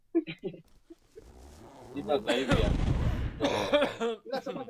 ilitolewa mifano ya kihistoria ya mauaji ya kimbari